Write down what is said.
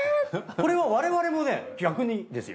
これは我々もね逆にですよ。